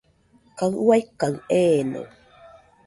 Kaɨ ua kaɨ eeno.